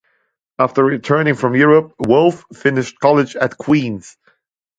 After returning from Europe, Wolf finished college at Queens.